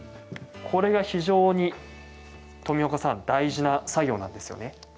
これが非常に、富岡さん大事な作業なんですよね。